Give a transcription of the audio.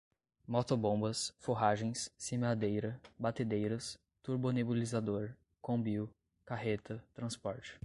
motobombas, forragens, semeadeira, batedeiras, turbonebulizador, combio, carreta, transporte